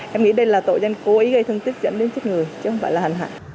em nghĩ đây là tội danh cố ý gây thương tích dẫn đến chết người chứ không phải là hành hạ